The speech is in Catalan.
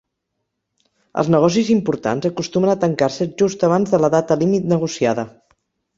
Els negocis importants acostumen a tancar-se just abans de la data límit negociada.